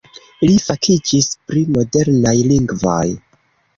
Li fakiĝis pri modernaj lingvoj.